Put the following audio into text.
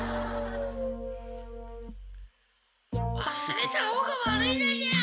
「忘れた方が悪いのじゃ！」